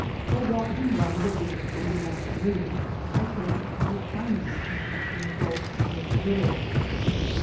While walking round the diggings in the afternoon, I came upon a Chinese camp in a gulch near the village.